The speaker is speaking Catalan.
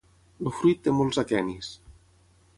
El fruit té molts aquenis.